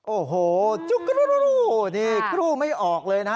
โอ้โหจุ๊กรูนี่กรูไม่ออกเลยนะ